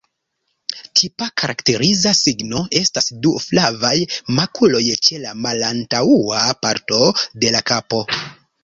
Tipa, karakteriza signo estas du flavaj makuloj ĉe la malantaŭa parto de la kapo.